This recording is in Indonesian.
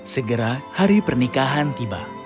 segera hari pernikahan tiba